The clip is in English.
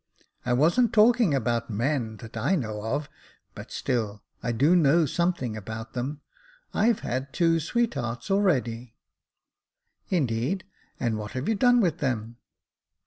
"I wasn't talking about men, that I know of; but still, I do know something about them. I've had two sweet hearts already." " Indeed ! and what have you done with them